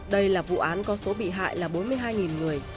đây là vụ án có số bị hại là bốn mươi hai người